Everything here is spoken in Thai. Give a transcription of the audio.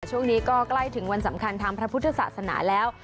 ช่วงนี้ก็ใกล้ถึงวันสำคัญทางพระพุทธศาสนาแล้ว